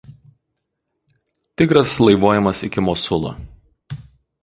Tigras laivuojamas iki Mosulo.